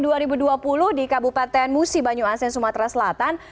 tahun dua ribu dua puluh di kabupaten musi banyuasen sumatera selatan